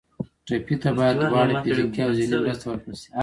ټپي ته باید دواړه فزیکي او ذهني مرسته ورکړل شي.